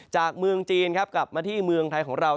จากเมืองจีนครับกลับมาที่เมืองไทยของเรา